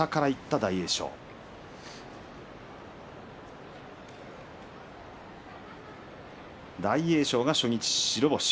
大栄翔が初日白星。